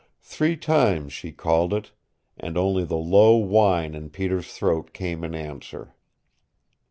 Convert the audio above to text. Three times she called it, and only the low whine in Peter's throat came in answer.